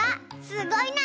すごいな！